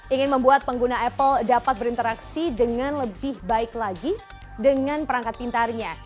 ingin membuat pengguna apple dapat berinteraksi dengan lebih baik lagi dengan perangkat pintarnya